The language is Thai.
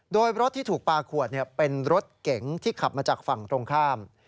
โดยรถที่ถูกปลาขวดเป็นรถเก๋งที่ขับมาจากฝั่งตรงข้าม